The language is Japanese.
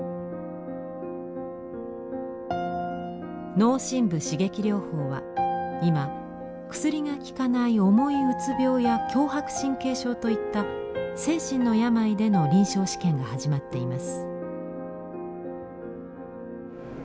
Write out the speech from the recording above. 脳深部刺激療法は今薬が効かない重いうつ病や強迫神経症といった精神の病での臨床試験が始まっています。